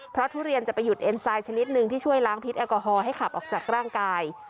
เพราะทุเรียนจะไปหยุดเอ็นไซดชนิดหนึ่งที่ช่วยล้างพิษแอลกอฮอล์ให้ขับออกจากร่างกาย